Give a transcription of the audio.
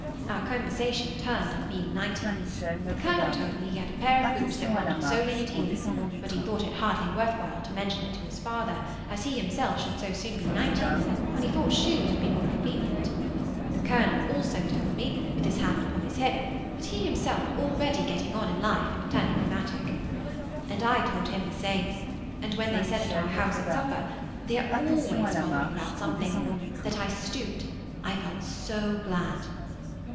Our conversation turned on being ninety. The colonel told me he had a pair of boots that wanted soling and heeling; but he thought it hardly worth while to mention it to his father, as he himself should so soon be ninety, when he thought shoes would be more convenient. The colonel also told me, with his hand upon his hip, that he felt himself already getting on in life, and turning rheumatic. And I told him the same. And when they said at our house at supper (they are always bothering about something) that I stooped, I felt so glad!